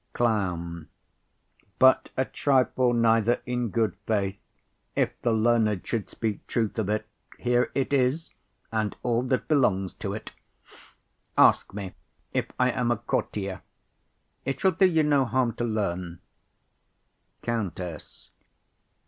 CLOWN. But a trifle neither, in good faith, if the learned should speak truth of it. Here it is, and all that belongs to't. Ask me if I am a courtier; it shall do you no harm to learn. COUNTESS.